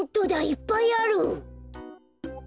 いっぱいある！